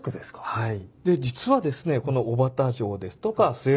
はい。